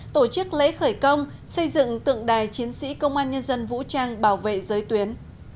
tổ chức lễ khởi công xây dựng tượng đài chiến sĩ công an nhân dân vũ trang bảo vệ giới tuyến